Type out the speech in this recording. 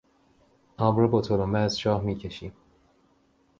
آب را با تلمبه از چاه میکشیم.